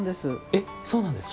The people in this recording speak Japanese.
えっそうなんですか。